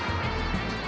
jangan makan aku